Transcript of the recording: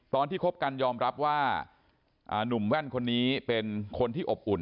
คบกันยอมรับว่าหนุ่มแว่นคนนี้เป็นคนที่อบอุ่น